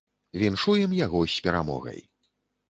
Віншуем яго з перамогай!